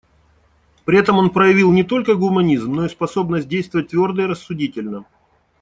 При этом он проявил не только гуманизм, но и способность действовать твердо и рассудительно.